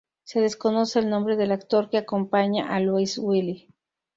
Se desconoce el nombre del actor que acompaña a Louis Willy.